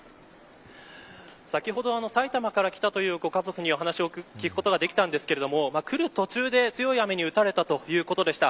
先ほど、埼玉から来たというご家族の話を聞くことができたんですけれども来る途中で強い雨に打たれたということでした。